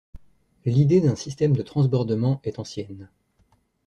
L'idée d'un système de transbordement est ancienne.